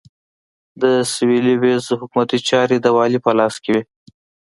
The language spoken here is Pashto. د سوېلي ویلز حکومتي چارې د والي په لاس کې وې.